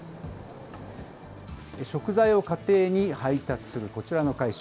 食材を家庭に配達するこちらの会社。